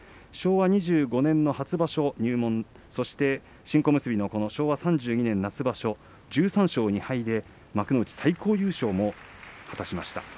昭和２５年初場所に入門そして新小結の昭和３２年夏場所１３勝２敗で幕内最高優勝も果たしました。